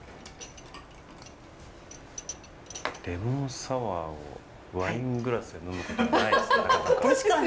レモンサワーをワイングラスで呑むことはないですからね。